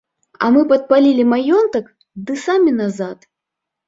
А мы падпалілі маёнтак ды самі назад.